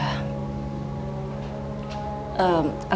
ternyata aku salah duga